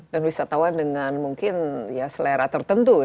dan wisatawan dengan mungkin ya selera tertentu ya